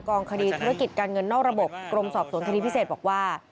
องคดีธุรกิจการเงินนอกระบบกรมสอบสวนคดีพิเศษบอกว่า